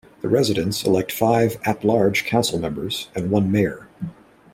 The residents elect five at-large council members and one mayor.